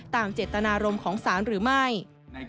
ตามเจตนารมณ์ของศาลหรือไม่